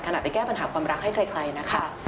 ขนาดไปแก้ปัญหาความรักให้ใครนะคะ